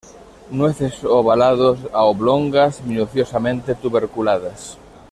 Nueces ovalados a oblongas, minuciosamente tuberculadas.